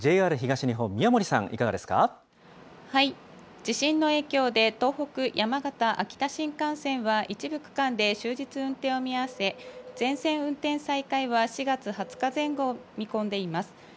ＪＲ東日本、宮森さん、いかがで地震の影響で、東北・山形・秋田新幹線は、一部区間で終日運転を見合わせ、全線運転再開は４月２０日前後を見込んでいます。